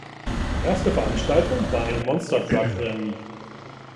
Erste Veranstaltung war ein Monstertruck-Rennen.